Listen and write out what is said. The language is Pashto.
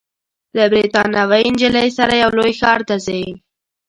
ته له بریتانوۍ نجلۍ سره یو لوی ښار ته ځې.